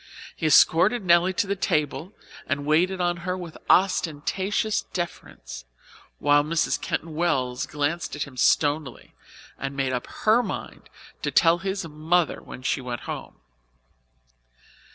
He escorted Nelly to the table and waited on her with ostentatious deference, while Mrs. Keyton Wells glanced at him stonily and made up her mind to tell his mother when she went home.